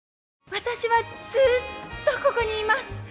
私はずっとここにいます。